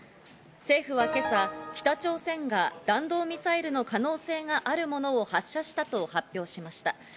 政府は今朝、北朝鮮が弾道ミサイルの可能性があるものを発射したと発表しました。